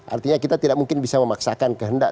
artinya kita tidak mungkin bisa memaksakan kehendak